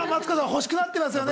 欲しくなってますよね？